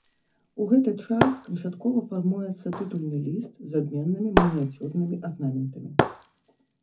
У гэты час канчаткова фармуецца тытульны ліст з адменнымі мініяцюрнымі арнаментамі.